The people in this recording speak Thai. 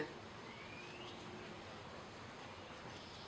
เขารู้อีกคนว่าเป็นเมีย